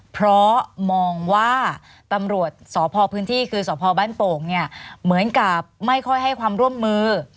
เพราะมองว่าตำรวจสพพื้นที่คือสพบ้านโป่งเนี่ยเหมือนกับไม่ค่อยให้ความร่วมมือ